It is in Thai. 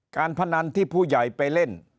พนันที่ผู้ใหญ่ไปเล่น